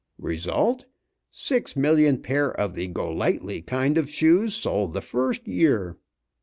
Result, six million pair of the Go lightly kind of shoes sold the first year.